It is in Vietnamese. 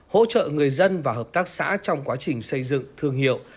hỗ trợ người dân và hợp tác xã trong quá trình xây dựng thương hiệu